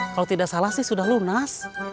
kalau tidak salah sih sudah lunas